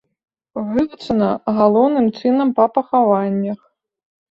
Вывучана галоўным чынам па пахаваннях.